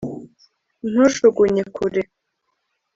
ntujugunye kure